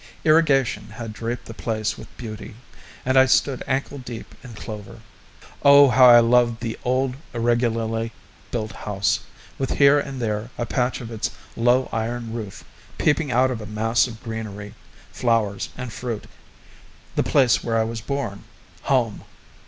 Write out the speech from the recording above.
Irrigation had draped the place with beauty, and I stood ankle deep in clover. Oh, how I loved the old irregularly built house, with here and there a patch of its low iron roof peeping out of a mass of greenery, flowers, and fruit the place where I was born home!